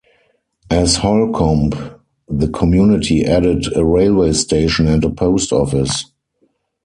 As Holcomb, the community added a railway station and a post office.